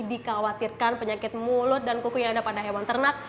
dikhawatirkan penyakit mulut dan kuku yang ada pada hewan ternak